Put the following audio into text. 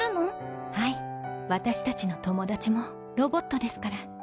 はい私たちの友達もロボットですから。